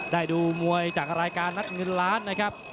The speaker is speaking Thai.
ดูมวยจากรายการนัดเงินล้านนะครับ